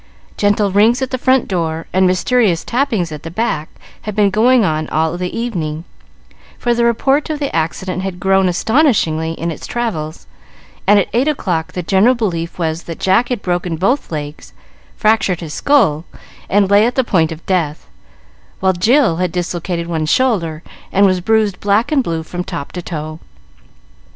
Gentle rings at the front door, and mysterious tappings at the back, had been going on all the evening; for the report of the accident had grown astonishingly in its travels, and at eight o'clock the general belief was that Jack had broken both legs, fractured his skull, and lay at the point of death, while Jill had dislocated one shoulder, and was bruised black and blue from top to toe.